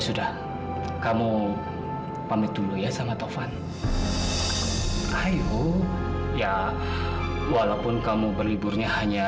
sampai jumpa di video selanjutnya